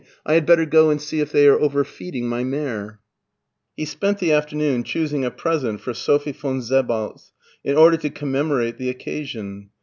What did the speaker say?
I had better go and see if they are over feeding my mare/* He spent the af(!emoon choosing a present for Sophie von Sebaltz, in order to commemorate the occasion.